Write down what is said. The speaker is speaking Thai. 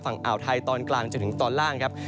ฝั่งอ่าวไทยตอนกลางจนถึงตอนล่างครับ